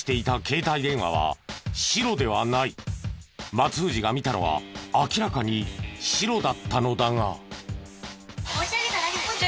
松藤が見たのは明らかに白だったのだが。